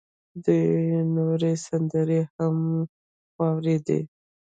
دوه نورې سندرې يې هم واورېدې.